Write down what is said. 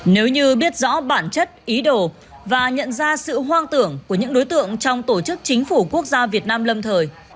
nếu như biết rõ bản chất ý đồ và nhận ra sự hoang tưởng của những đối tượng trong tổ chức chính phủ quốc gia việt nam lâm thời